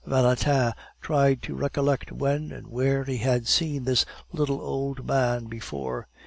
Valentin tried to recollect when and where he had seen this little old man before.